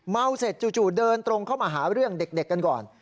เสร็จจู่เดินตรงเข้ามาหาเรื่องเด็กกันก่อน